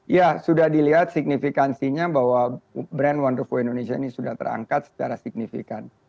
ya sudah dilihat signifikansinya bahwa brand wonderful indonesia ini sudah terangkat secara signifikan